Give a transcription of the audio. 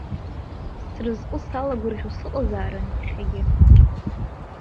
Сразҟы салагәырӷьо сыҟазаарын, иахьагьы.